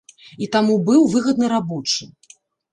І таму быў выгадны рабочы.